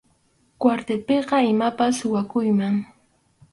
Kwartilpiqa imapas suwakuyllam.